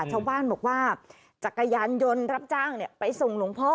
ชาวบ้านบอกว่าจักรยานยนต์รับจ้างไปส่งหลวงพ่อ